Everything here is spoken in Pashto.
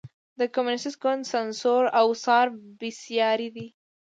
د کمونېست ګوند سانسور او څار بېساری دی.